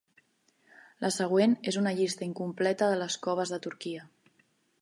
La següent és una llista incompleta de les coves de Turquia.